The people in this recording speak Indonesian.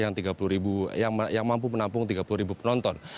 yang tiga puluh ribu yang mampu menampung tiga puluh ribu penonton